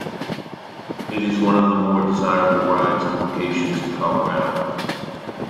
It is one of the more desirable rides and locations in Colorado.